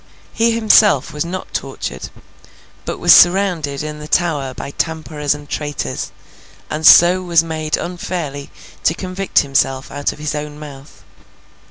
He himself was not tortured, but was surrounded in the Tower by tamperers and traitors, and so was made unfairly to convict himself out of his own mouth.